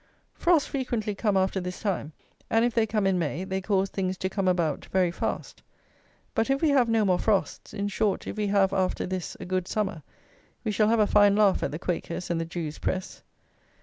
Frosts frequently come after this time; and if they come in May, they cause "things to come about" very fast. But if we have no more frosts: in short, if we have, after this, a good summer, we shall have a fine laugh at the Quakers' and the Jews' press.